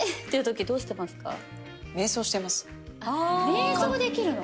めい想できるの？